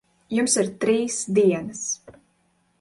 Jums ir trīs dienas.